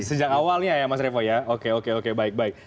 sejak awalnya ya mas revo ya oke oke oke baik baik